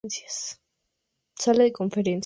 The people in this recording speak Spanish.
Sala de Conferencias.